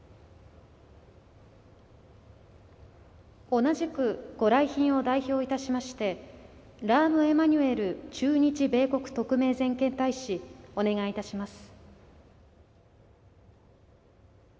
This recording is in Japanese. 同じく御来賓を代表いたしましてラーム・エマニュエル駐日米国特命全権大使お願いいたします。